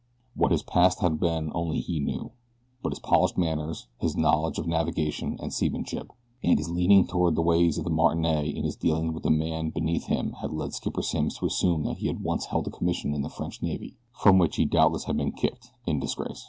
What his past had been only he knew, but his polished manners, his knowledge of navigation and seamanship, and his leaning toward the ways of the martinet in his dealings with the men beneath him had led Skipper Simms to assume that he had once held a commission in the French Navy, from which he doubtless had been kicked in disgrace.